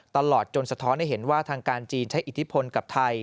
ตลอดจนสะท้อนให้เห็นว่าทางการจีนใช้อิทธิพลกับไทย